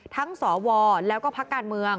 ทั้งสวแล้วก็พก